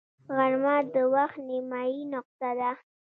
غرمه د وخت نیمايي نقطه ده